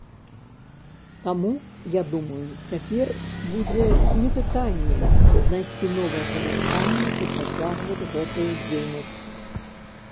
Таму, я думаю, цяпер будзе не пытанне, знайсці новае памяшканне і працягваць гэтую дзейнасць.